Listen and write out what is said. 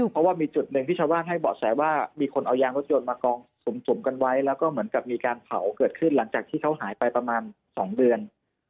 เพราะว่ามีจุดหนึ่งที่ชาวบ้านให้เบาะแสว่ามีคนเอายางรถยนต์มากองสุ่มกันไว้แล้วก็เหมือนกับมีการเผาเกิดขึ้นหลังจากที่เขาหายไปประมาณ๒เดือน